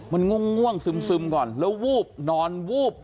มันง่วงซึมก่อนแล้ววูบนอนวูบ